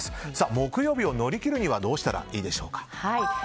木曜日を乗り切るにはどうしたらいいでしょうか？